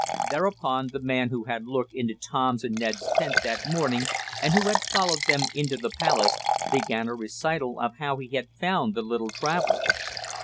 Thereupon the man who had looked into Tom's and Ned's tent that morning, and who had followed them into the palace, began a recital of how he had found the little travelers.